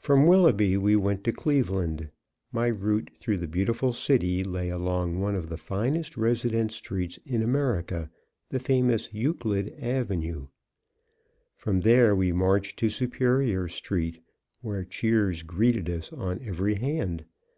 _ From Willoughby we went to Cleveland. My route through the beautiful city lay along one of the finest residence streets in America the famous Euclid avenue. From there we marched to Superior street, where cheers greeted us on every hand.